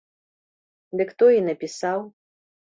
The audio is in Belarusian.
Дык той і напісаў.